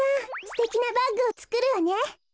すてきなバッグをつくるわね。